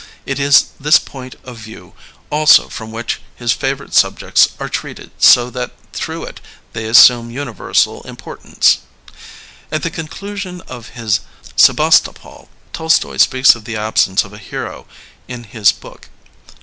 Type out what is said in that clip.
It is this point of view also from which his favorite subjects are • i LEONID ANDREYEV 17 treated so that through it they assume universal importance. At the conclusion of his Sehastopol, Tolstoy speaks of the absence of a hero in his book.